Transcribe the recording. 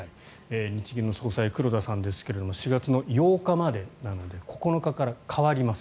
日銀の総裁黒田さんですが４月８日までなので９日から代わります。